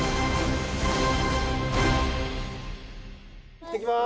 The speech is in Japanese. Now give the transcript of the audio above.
行ってきます。